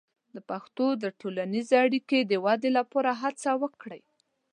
د پښتو د ټولنیزې اړیکو د ودې لپاره هڅه وکړئ.